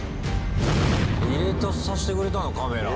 入れさせてくれたの、カメラ。